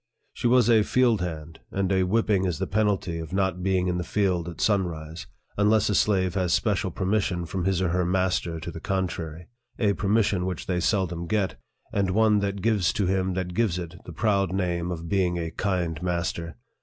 She was a field hand, and a whipping is the penalty of not being in the field at sunrise, unless a slave has special per mission from his or her master to the contrary a oermission which they seldom get, and one that gives to him that gives it the proud name of being a kind master.